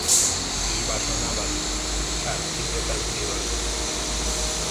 এটা বাসনা বা ইচ্ছার তীব্রতার উপর নির্ভর করছে।